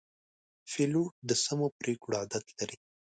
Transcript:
پیلوټ د سمو پرېکړو عادت لري.